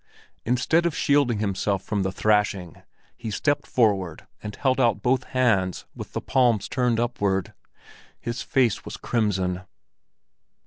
Instead of shielding himself from the thrashing, he stepped forward and held out both hands with the palms turned upward. His face was crimson.